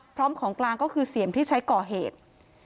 พร้อมของกลางก็คือเสี่ยมที่ใช้ก่อเหตุ